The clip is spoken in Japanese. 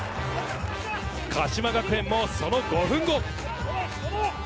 鹿島学園も、その５分後。